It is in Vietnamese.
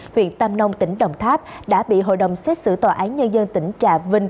huyện tam nông tỉnh đồng tháp đã bị hội đồng xét xử tòa án nhân dân tỉnh trà vinh